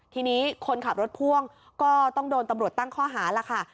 ทีนี้คนขับรถพ่วงก็ต้องโดนตำรวจตั้งข้อหาล่ะค่ะ